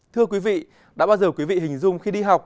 thưa quý vị đã bao giờ quý vị hình dung khi điểm truyền hình của quốc gia